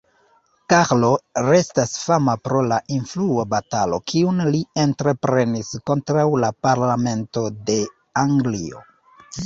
Karlo restas fama pro la influo-batalo, kiun li entreprenis kontraŭ la Parlamento de Anglio.